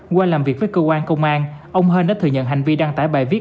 qua làm việc với cơ quan công an ông hên đã thừa nhận hành vi đăng tải bài viết